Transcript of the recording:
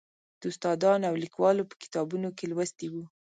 د استادانو او لیکوالو په کتابونو کې لوستی و.